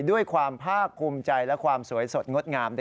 ด้วยความภาคภูมิใจและความสวยสดงดงาม